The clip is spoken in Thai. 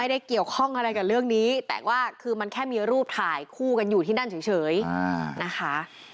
ได้เกี่ยวข้องอะไรกับเรื่องนี้แต่ว่าคือมันแค่มีรูปถ่ายคู่กันอยู่ที่นั่นเฉยนะคะ